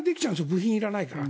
部品がいらないから。